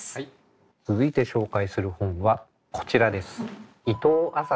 続いて紹介する本はこちらです。